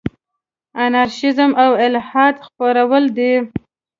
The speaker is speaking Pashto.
انارشیزم او الحاد خپرول دي.